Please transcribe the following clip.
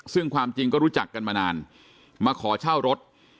ซึ่งความจริงก็รู้จักกันมานานมาขอเช่ารถ